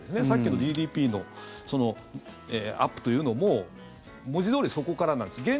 さっきのＧＤＰのアップというのも文字どおり、そこからなんです。